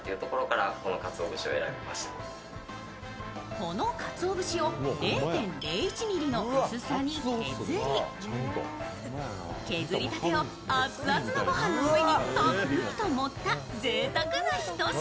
このかつお節を０．０１ｍｍの薄さに削り削りたてを熱々のごはんの上にたっぷりと盛ったぜいたくな一品。